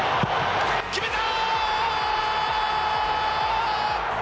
決めた！